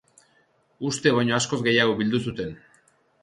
Uste baino askoz gehiago bildu zuten.